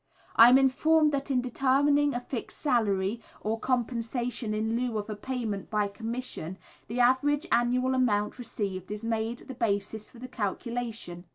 I am informed that in determining a fixed Salary, or Compensation in lieu of a payment by Commission, the average annual amount received is made the basis for the calculation.